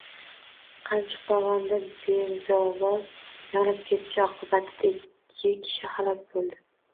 Qamchiq dovonida «benzovoz» yonib ketishi oqibatida ikki kishi halok bo‘ldi